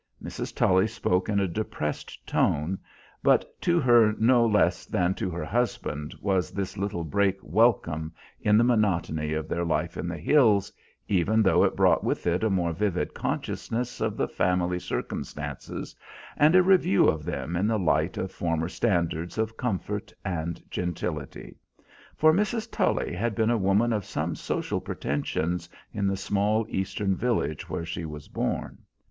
Mrs. Tully spoke in a depressed tone, but to her no less than to her husband was this little break welcome in the monotony of their life in the hills, even though it brought with it a more vivid consciousness of the family circumstances, and a review of them in the light of former standards of comfort and gentility: for Mrs. Tully had been a woman of some social pretensions, in the small Eastern village where she was born.